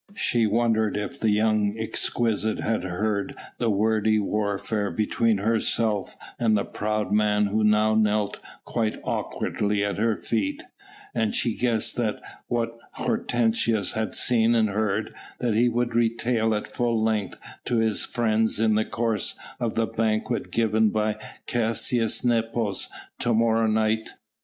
She wondered if the young exquisite had heard the wordy warfare between herself and the proud man who now knelt quite awkwardly at her feet, and she guessed that what Hortensius had seen and heard, that he would retail at full length to his friends in the course of the banquet given by Caius Nepos to morrow night.